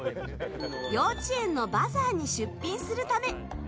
幼稚園のバザーに出品するため！